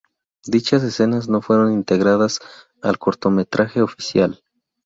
Dichas escenas no fueron integradas al cortometraje oficial.